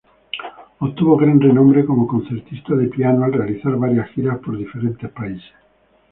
Obtuvo gran renombre como concertista de piano al realizar varias giras por diferentes países.